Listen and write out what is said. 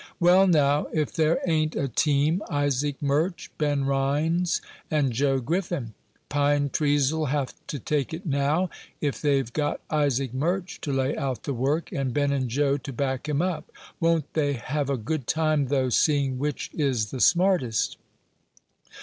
"Well, now, if there ain't a team Isaac Murch, Ben Rhines, and Joe Griffin! Pine trees'll have to take it now, if they've got Isaac Murch to lay out the work, and Ben and Joe to back him up. Won't they have a good time, though, seeing which is the smartest?"